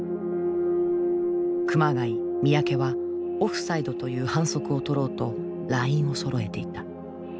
熊谷三宅はオフサイドという反則をとろうとラインをそろえていた。